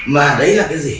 mà đấy là cái gì